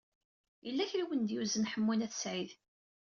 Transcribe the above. Yella kra i wen-d-yuzen Ḥemmu n At Sɛid.